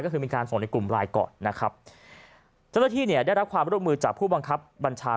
ก็คือมีการส่งในกลุ่มไลน์ก่อนนะครับเจ้าหน้าที่เนี่ยได้รับความร่วมมือจากผู้บังคับบัญชา